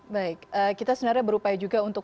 baik kita sebenarnya berupaya juga untuk